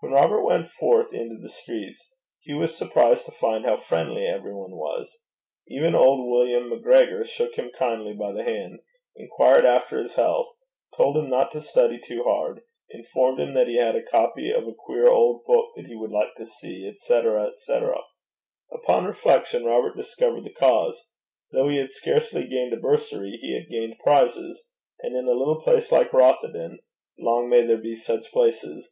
When Robert went forth into the streets, he was surprised to find how friendly every one was. Even old William MacGregor shook him kindly by the hand, inquired after his health, told him not to study too hard, informed him that he had a copy of a queer old book that he would like to see, &c., &c. Upon reflection Robert discovered the cause: though he had scarcely gained a bursary, he had gained prizes; and in a little place like Rothieden long may there be such places!